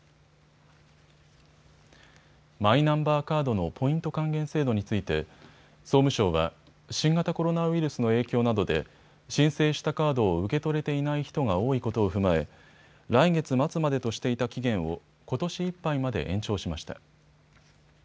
マイナンバーカードのポイント還元制度について総務省は新型コロナウイルスの影響などで申請したカードを受け取れていない人が多いことを踏まえ来月末までとしていた期限をことしいっぱいまで延長しました。